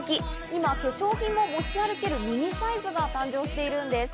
今、化粧品も持ち歩けるミニサイズが誕生しているんです。